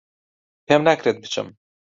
پێم ناکرێت بچم